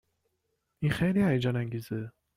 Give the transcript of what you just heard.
این خیلی هیجان انگیزه